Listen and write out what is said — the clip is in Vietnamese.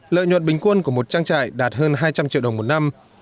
lợi nhuận bình quân của một trang trại đạt hơn hai trăm linh triệu đồng một năm